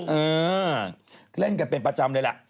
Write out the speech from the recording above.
เออเล่นกันเป็นประจำเลยล่ะ